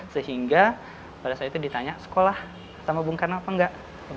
sehingga pada saat itu ditanya sekolah sama bung karno apa enggak